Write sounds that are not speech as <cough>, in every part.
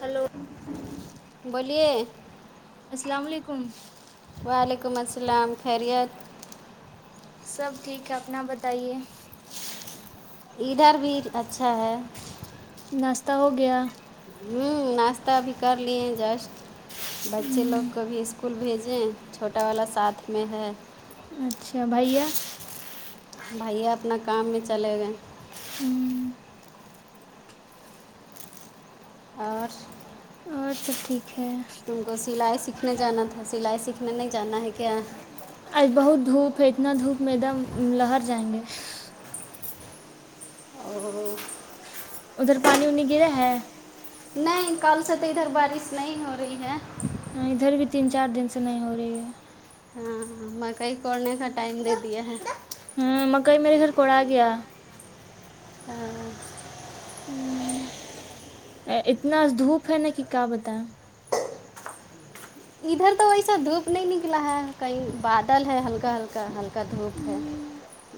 Hello بولیے السلام علیکم وعلیکم السلام خیریت سب ٹھیک ہے اپنا بتائیے ادھر بھی اچھا ہے ناشہ ہو گیا ہوں ناشتہ بھی کر لیے جسٹ بچے لوگ کو بھی اس اسکول بھیجیں چھوٹا والا ساتھ میں ہے اچھا بھیا بھیا اپنا کام بھی چلے گئے ہوں اور اور سب ٹھیک ہے ان کو سلائی سیکھنے جانا تھا سلائی سیکھنے نہیں جانا ہے کیا آج بہت دھوپ ہے اتنا دھوپ میدم لہر جائیں گے اور ادھر پانی وانی گا ہے نہیں کل سے تو ادھر بارش نہیں ہو رہی ہے ادھر بھی تین چار دن سے نہیں ہو رہی ہے ہاں مکئی کوڑنے کا ٹائم دے دیا ہے ہوں مکئی میرے گھر کو آ گیا ہاں اتنا دھوپ ہے نا کہ کیا بتایا ادھر تو ویسا دھوپ نہیں نکلا ہے کہیں بادل ہے ہلکا ہلکا ہلکا کا دھوپ ہے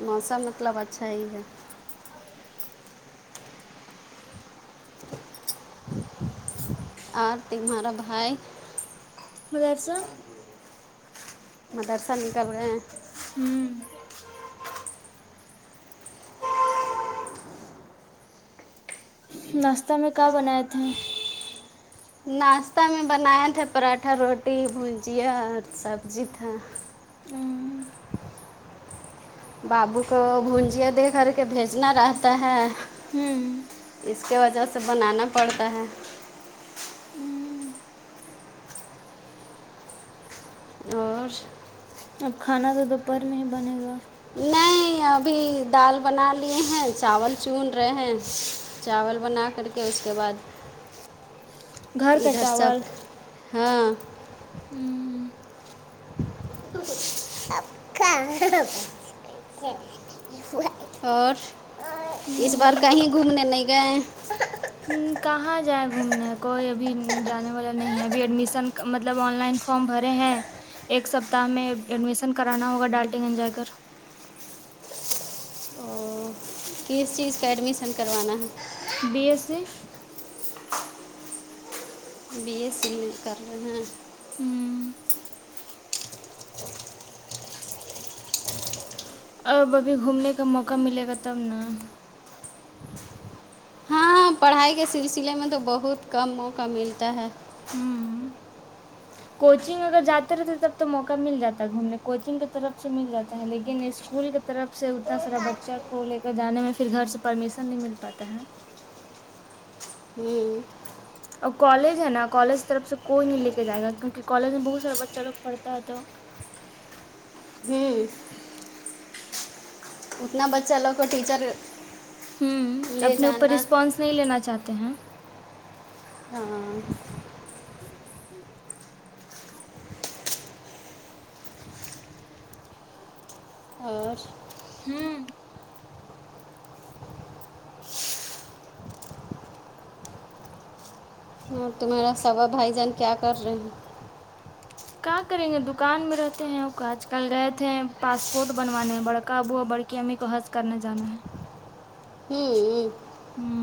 موسم مطلب اچھا ہی ہے اور تمہارا بھائی وغیر سے مدرسہ نکل رہے ہیں ہوں ناشتہ میں کہ بناائے تھے ناشتہ میں بنایا تھا پراٹھا روٹی بھجیا اور سبزی تھا ہوں بابو کو گھونجیا دے کر کے بھیجنا رہتا ہے ہوں اس کی وجہ سے بنانا پڑتا ہے ہوں اور اب کھانا تو دوپہر میں ہی بنے گا نہیں ابھی دال بنا لیے ہیں چاول چن رہے ہیں چاول بنا کر کے اس کے بعد گھر کا ادھر سب چاول ہاں ہوں اب اور اس بار ہوں کہیں گھومنے نہیں گئے کہاں جائ گھومنے کوئی ابھی جانے والا نہیں ہے ابھی ایڈمیشن مطلب آن لائن فارم بھرے ہیں ایک سپتاہ میں ایڈمیشن کرانا ہوگا ڈالٹے گن جا کر او، کس چیز کا ایڈمیشن کروانا ہے B S C B S C کر رہے ہیں ہوں <unintelligible> اب ابھی گھومنے کا موقع ملے گا تب نا ہاں ہاں پڑھائی کے سلسلے میں تو بہت کم موقع ملتا ہے ہوں کوچنگ اگر جاتے رہتے تب تو موقع مل جاتا ہے گھومنے کوچنگ کی طرف سے مل جاتا ہے لیکن اسکول کے طرف سے اتنا سارا بچہ کو لے کر جانے میں پھر گھر سے پرمیشن نہیں مل پاتا ہے ہوں اور کالج ہے نا کالج کی طرف سے کوئی نہیں لے کے جائے گا کیونکہ کالج میں بہت سارا بچہ لوگ پڑھتا ہے تو جی اتنا بچہ لوگ کو ٹیچر ہوں لے اپنے اوپر جانا رسپانس نہیں لینا چاہتے ہیں ہاں اور ہوں ہاں تمہارا سوا بھائی جان کیا کر رہے ہیں کیا کریں گے دکان میں رہتے ہیں آج کل رہتے ہیں پاسپورٹ بنوانے بڑکا بو بڑکی کہ امی کو حض کرنا جانا ہے ہوں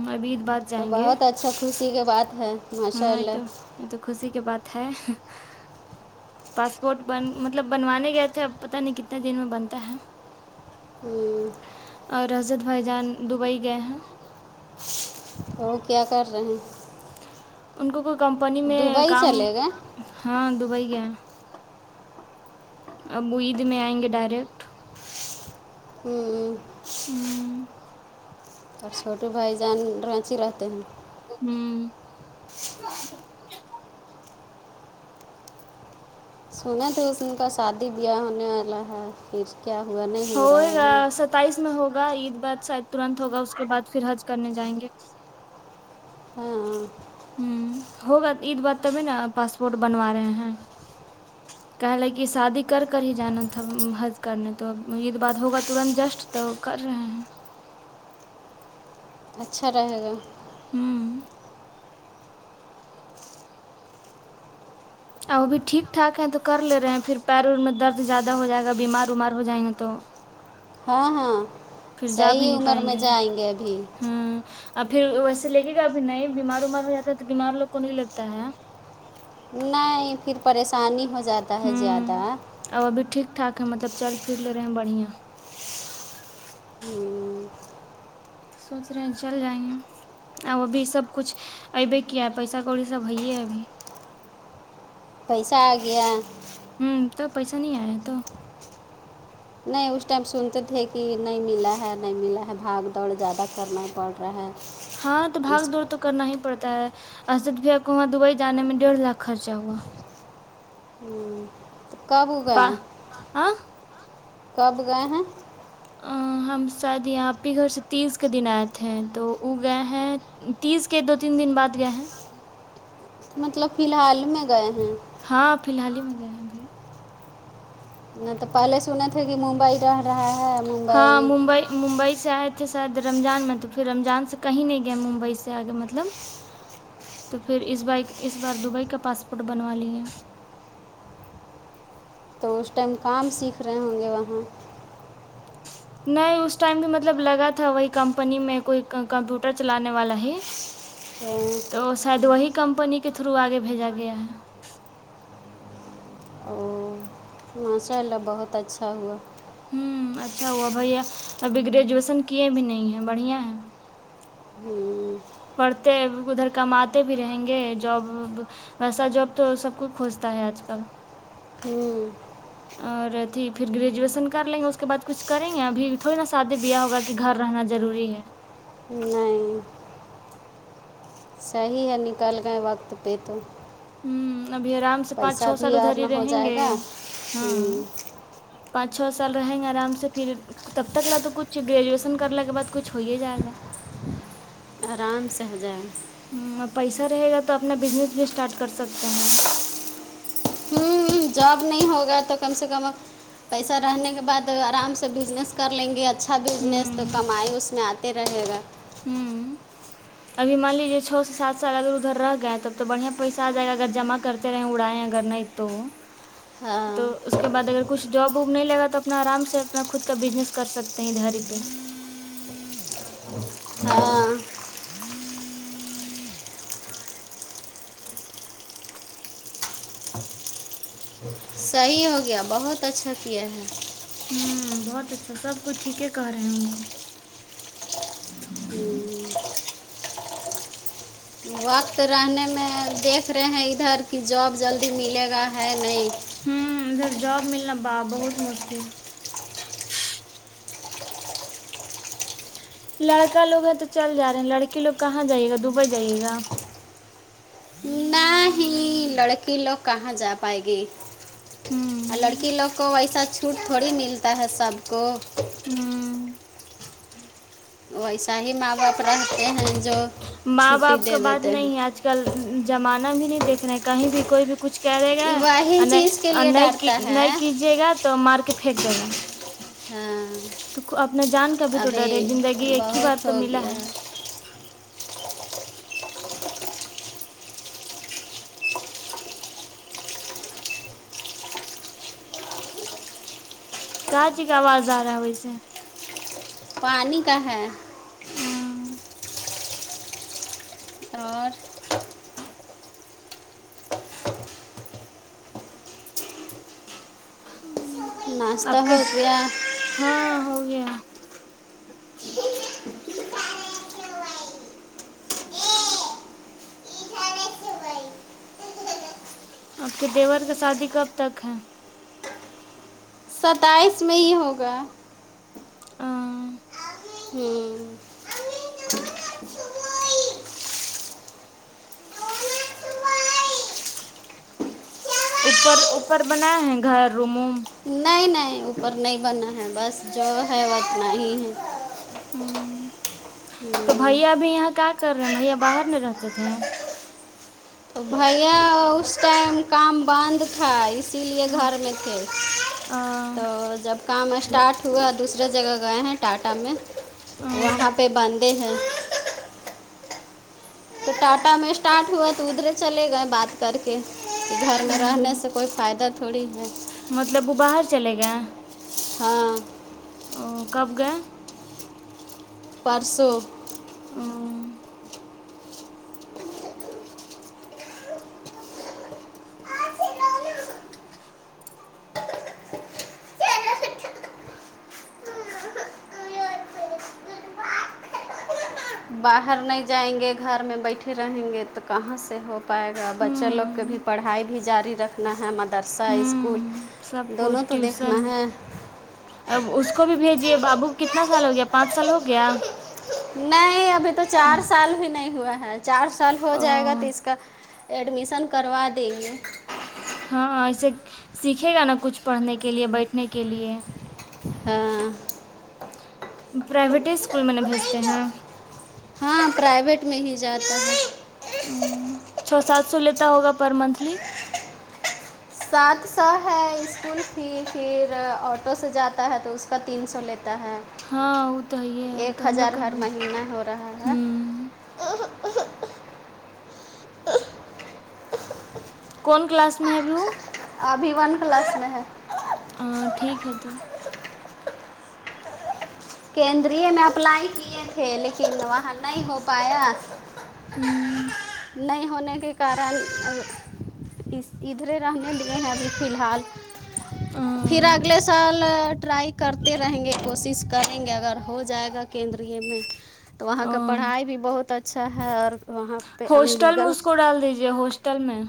ہ ابھیید بات تو بہت اچھا خوشی کے بات ہے ماشاء ہاں یہ اللہ تو یہ تو خوشی کی بات ہے پاسپورٹ بن مطلب بنوانے گئے تھے اب پت نہیں کتنے دن میں بنتا ہے ہوں اور حضت بھائی جان دبئی گئے ہیں تو وہ کیا کر رہے ہیں ان کو کوئی کمپنی میں دبئی کام چلے گئے ہاں دبئی کے ہے اب وہ عید میں آئیں گے ڈائریکٹ <unintelligible> ہوں <inaudible> ہوں اور چھوٹے بھائی جان رینچی رہتے ہیں ہوں سنے تھے اس کا شادی بیاہ ہونے والا ہے پھر کیا ہوا نہیں <unintelligible> ہوئے گا ابھی ستائیس میں ہوگا عید بار شاید ترنت ہوگا اس کے بعد پھر حج کرنے جائیں گے ہاں ہ <unintelligible> ہ ہو بات عید بار تبھی نا پاسپورٹ بنوا رہے ہیں کہ لے کہ شادی کر کر ہی جانا تھا حض کرنے تو یہید بات ہوگا ترنت جسٹ تو کر رہے ہیں <unintelligible> اچھا رہے گا ہوں ا وہ بھی ٹھیک ٹھاک ہے تو کر ل رہے ہیں پھر پیریر میں درد زیادہ ہو جائے گا بیمار ومار ہو جائیں گے تو ہاں ہاں صحیح عمر میں جائیں گے ابھی ہ اور پھر ویسے لگے گا ابھی نہیں بیمار ومار ہو جا ہے تو بیمار لوگ کو نہیں لگتا ہے نہیں پھر پریشانی ہو جاتا ہے ہوں زیادہ اب ابھی ٹھیک ٹاک ہے مطلب چل پھر لے ہیں بڑھیاں سوچ رہے ہیں چل جائیں گے اب ابھی سب کچھ ابے کیا پیسا کڑی سب ہے ہے ابھی پیسہ آ گیا <unintelligible> ہوں تو پیسہ نہیں آیا تو نہیں اس ٹائم سنتے تھے کہ نہیں ملا ہے نہیں ملا ہے بھاگ دوڑ زیادہ کرنا پڑ رہا ہے ہاں تو باگ اس دورتک کرنا ہی پڑتا ہے اسد بھیا کو وہاں دبئی جے میں ڈیڑھ لاکھ خرچہ ہوا ہوں تو کب پا گئے ہاں کب گئے ہیں ا ہم ساید یہاں آپ کے گھر سے تیز کے دن آئے تھ ہیں تو ا گئے ہیں تیز کے دو تین دن بعد گئے ہیں مطلب فی الحال میں گئے ہیں ہاں فی الحال ہی میں گئے ہیں بھی نہیں تو پہلے سنے تھے کہ ممبئی رہ رہا ہے ممبئی ممبئی سے آئے تھے شاید رمضان میں تو پھر رمضان سے کہیں نہیں گئےم ممبئی سے آگے مطلب تو پھر اس ب اس بار دبئی کا پاسپورٹ بنوا لیے تو اس ٹائم کام سیکھ رہے ہوں گے وہاں نہیں اس ٹائم بھی مطلب لگا تھا وہی کمپنی میں کوئی کمپیوٹر چلانے والا ہی تو شاید وہی کمپنی کے تھرو آگے بھیجا گیا ہے او ماشاء اللہ بہت اچھا ہوا ہ اچھا وہ بھیا ابھی گریجویشن کیے بھی نہیں ہے بڑھیا ہے ہوں پڑھتے ادھر کماتے بھی رہیں گے جاب ویسا جاب تو سب کو کھجتا ہے آج کل ہوں اور ا تھی پھر گریجویشن کر لیں گے اس کے بعد کچھ کریں گے ابھی تھوڑی نا سادی بیاہ ہوگا گھر رہنا ضروری ہے نہیں صحیح ہے نکل گئے وقت پہ تو ہوں ابھی آرام سے پانچ پیسہ چھو سال بھی ادھر اور نہ ہو رہیں جائے گے گا ہاں ہوں پانچ چھ سال رہیں گے آرام سے پھر تب تک لا تو کچھ گریجویشن کرنے کے بعد کچھ ہو ہی جائے گا آرام سے ہو جائے پیسہ رہے گا تو اپنا بزنس بھی اسٹارٹ کر سکتے ہیں ہوں جاب نہیں ہوگا تو کم سے کم پیسہ رہنے کے بعد آرام سے بزنس کر لیں گے اچھا اچھا بزنس تو ہوں کمائی اس میں آتے رہے گا ہوں اب مان لیجیے چھ سے سات سال اگر ادھر رہ گئے تب تو بڑیا پیس آائے گا اگر جم کرتے رہے اڑائےیں اگر نہیں تو ہاں تو اس کے بعد اگر کچھ جاب ووب نہیں لگا تو اپنا آرام سے اپنا خود کا بزنس کر سکتے ہیں ادہھر پہ ہاں صحیح ہو گیا بہت اچھا کیا ہے ہوں بہت اچھا سب کچ ٹھیک کہ رہے ہیں ان کو وقت رہنے میں دیکھ رہے ہیں ادھر کہ جاب جلدی ملے گا ہے نہیں ہوں ادھر جاب ملنا بہت مشکل لڑکا لوگ ہیں تو چل جا رہے ہیں لڑکی لوگ کہاں جائیے گا دبئی جائیے گا نہیں لڑکی لوگ کہاں جا پائے گی اور ہوں لڑکی لوگ کو ویسا چھوٹ تھوڑی ملتا ہے سب کو ہاں ویسا ہی ماں باپ رہتے ہیں جو ماں چھٹی باپ کا دے بات دیتے ہیں نہیں ہے آج کل زمانہ بھی نہیں دیکھ رہے کہیں بھی کوئی بھی کچھ کر دے گا واہی اور چیز کے نہیں لیے ڈرتا نہیں ہے نہیں کیجیے گا تو مار کے پھینک دے گا ہاں تو اپنا جان کب بھی تو ابھی ڈر ہے زندگی ایک ہی بار بہت تو ہو ملا گیا ہے کہاں جی کا آواز آ رہا ہے ویس سے پانی کا ہے ہاں اور ناشتہ آب کے ہو گیا ہاں ہو گیا آپ کے دیور کا شادی کب تک ہے ستائیس میں ہی ہوگا ہاں ہوں اوپر اوپر بنایا ہے گھر روم ووم نہیں نہیں اوپر نہیں بنا ہے بس جو ہے وہ اتنا ہی ہے ہوں تو ہوں بھیا بھی یہاں کیا کر رہے ہیں بھیا باہر نہیں رہتے تھے تو بھیا اس ٹائم کام بند تھا اس اسی لیے گھر میں تھے تو ا جب کام اسٹارٹ ہوا دوسرے جگہ گئے ہیں ٹاٹا میں وہاں ا پہ بندے ہیں تو ٹاٹا میں اسٹارٹ ہوا تو ادھر چے گئے بات کر کے گھر میں رہنے سے کوئی فائدہ تھوڑی ہے مطلب وہ باہر چلے گئے ہاں او کب گئے پرسوں <inaudible> باہر نہیں جائیں گے گھر میں بیٹھے رہیں گے تو کہاں سے ہو پائے گا بچا لوگ کے بھی پڑھائی بھی جاری رکھ دنا ہے مدرسہ اسکول ہوں سب دونوں کچھ تو دیکھنا ٹیوشن ہے اب اس کو بھیجیے بابو کتنا سال ہو گیا پانچ سال ہو گیا نہیں ابھی تو چار سال بھی نہیں ہوا ہے چار سال ہو جائے گا تو ا اس کا ایڈمیشن کروا دے ہاں ایسے سیکھے گا نا کچھ پڑھنے کے لیے بیٹھنے کے لیے ہاں پرائیویٹ اسکول میں ن بھیجتے ہیں ہاں پرائیویٹ میں ہی جاتا ہے ہ چو سات سو لیتا ہوگا پر منتھلی سات سو ہے اسکول کی پھر آٹو سے جاتا ہے تو اس کا تین سو لیتا ہے ہاں وہ تو یہ ہے وہ ایک تو ہم لوگ ہزار کا ہر مہینہ ہو رہا ہے ہوں کون کلاس میں ہےبو ابھی ون کلس میں ہے ہ ٹھیک ہے تو کیندری میں اپلائی کیے تھے لیکن وہاں نہیں ہو پایا نہیں ہونے کے کارن ادھرے رہنے دیے ابھی فی الحال پھر اگلے سال ٹرائی کرتے رہیں گے کوشش کریں گے اگر ہو جائے گا کیندری میں تو وہاں کا ہوں پڑھائی بھی بہت اچھا ہے اور وہاں پہ ان ہاسٹل میں لیگل اس کو ڈال دیجے ہاسٹل میں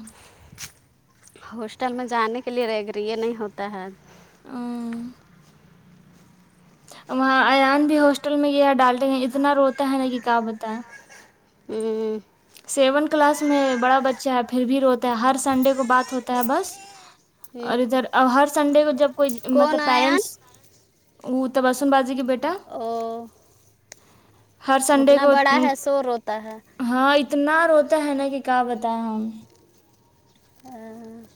ہوسٹل میں جانے کے لیے رہ گری یہ نہیں ہوتا ہے <inaudible> وہاں ایان بھی ہاسٹل میں یہ ڈالتے ہیں اتنا روتا ہے نا کہ کیا بتائے ہوں سیونت کلاس میں بڑا بچہ ہے پھر بھی روتا ہے ہر سنڈے کو بات ہوتا ہے بس ہوں۔ اور ادھر ہر سنڈے کو جب کوئی کون مطلب آیا پیرنٹس ا تو بسن بازی کی بیٹا او ہر سنڈے اتنا کو بڑا ہے شو روتا ہے ہاں اتنا روتا ہے نا کہ کیا بتائے ہم <unintelligible>